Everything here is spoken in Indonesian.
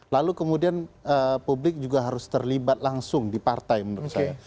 lalu kemudian publik juga harus terlibat langsung di partai menurut saya